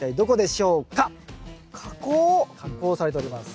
加工されております。